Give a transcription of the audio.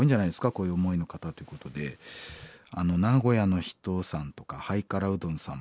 こういう思いの方ということで名古屋の人さんとかハイカラうどんさん。